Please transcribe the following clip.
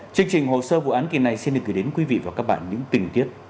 chương trình hồ sơ vụ án kỳ này xin được gửi đến quý vị và các bạn những tình tiết